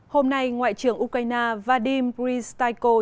hôm nay ngoại trưởng ukraine vadim bristakov